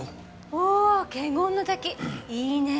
ああ華厳の滝いいねぇ。